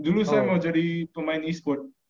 iya dulu saya mau jadi pemain esports